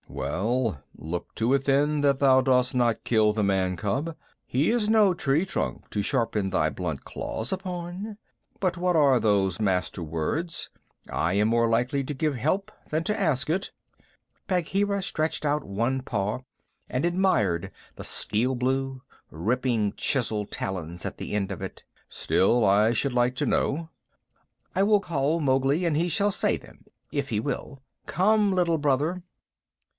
"Well, look to it then that thou dost not kill the man cub. He is no tree trunk to sharpen thy blunt claws upon. But what are those Master Words? I am more likely to give help than to ask it" Bagheera stretched out one paw and admired the steel blue, ripping chisel talons at the end of it "still I should like to know." "I will call Mowgli and he shall say them if he will. Come, Little Brother!"